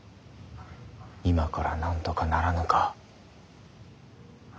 今からなんとかならぬか。